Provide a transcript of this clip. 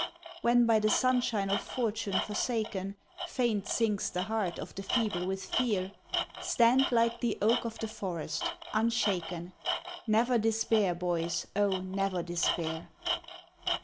When by the sunshine of fortune forsaken Faint sinks the heart of the feeble with fear, Stand like the oak of the forest unshaken, Never despair Boys oh! never despair.